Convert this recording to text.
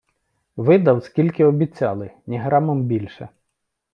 Видав, скільки обіцяли, ні грамом більше.